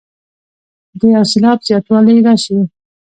د یو سېلاب زیاتوالی راشي.